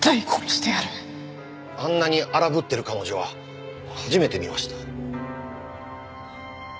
あんなに荒ぶってる彼女は初めて見ました。